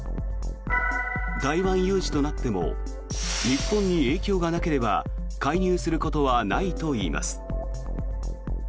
台湾有事となっても日本に影響がなければ介入することはないといいます。